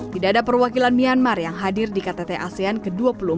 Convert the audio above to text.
tidak ada perwakilan myanmar yang hadir di ktt asean ke dua puluh empat